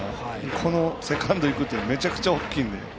このセカンドいくっていうのめちゃくちゃ大きいんで。